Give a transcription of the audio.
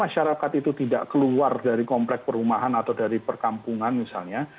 artinya kalaupun masyarakat itu tidak keluar dari kompleks perumahan atau dari perkampungan misalnya